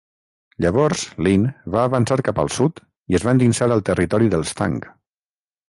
Llavors Lin va avançar cap al sud i es va endinsar al territori dels Tang.